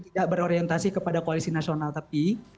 tidak berorientasi kepada koalisi nasional tapi